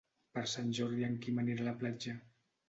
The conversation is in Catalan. Per Sant Jordi en Quim anirà a la platja.